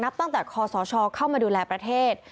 ตั้งแต่คอสชเข้ามาดูแลประเทศ